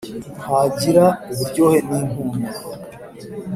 ,ntagira uburyohe ni mpumuro.